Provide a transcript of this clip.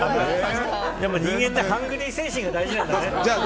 人間ってハングリー精神が大事なんだね。